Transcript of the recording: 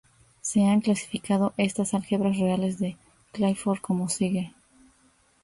Se han clasificado estas álgebras reales de Clifford como sigue...